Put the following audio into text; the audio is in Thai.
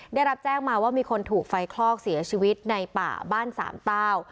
ได้รับแจ้งมาว่ามีคนถูกไฟคลอกเสียชีวิตในป่าบ้านสามเต้า